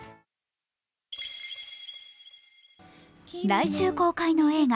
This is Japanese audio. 来週公開の映画